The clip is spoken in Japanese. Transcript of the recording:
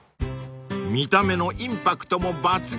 ［見た目のインパクトも抜群］